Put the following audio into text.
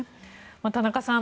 田中さん